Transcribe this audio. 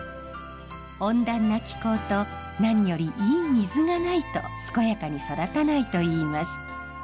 温暖な気候と何よりいい水がないと健やかに育たないといいます。